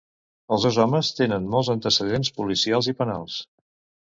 Els dos homes tenen molts antecedents policials i penals.